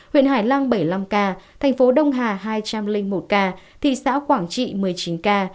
huyện hải lăng bảy mươi năm ca thành phố đông hà hai trăm linh một ca thị xã quảng trị một mươi chín ca